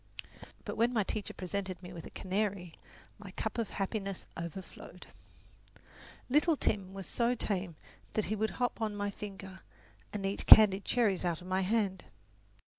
But when my teacher presented me with a canary, my cup of happiness overflowed. Little Tim was so tame that he would hop on my finger and eat candied cherries out of my hand.